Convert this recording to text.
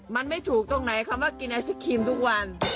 มันไม่ถูกตรงไหนคำว่ากินไอศครีมทุกวัน